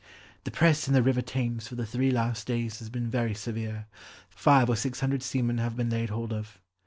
"The press in the river Thames for the three last days has been very severe. Five or six hundred seamen have been laid hold of."